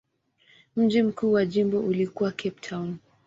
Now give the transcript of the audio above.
Mji mkuu wa jimbo ulikuwa Cape Town.